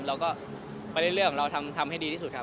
แล้วก็ไปเล่นเรื่องเราทำให้ดีที่สุดครับ